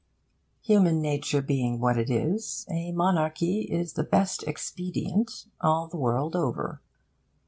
Human nature being what it is, a monarchy is the best expedient, all the world over.